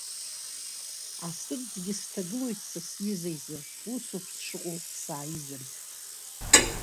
Асырӡгьы сҭагылоит са сҩызаиз, ус ауп сшыҟоу сааизаргь.